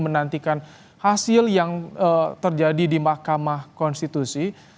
menantikan hasil yang terjadi di mahkamah konstitusi